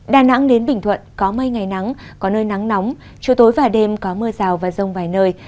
đà nẵng đến bình thuận có mây ngày nắng có nơi nắng nóng chiều tối và đêm có mưa rào và rông vài nơi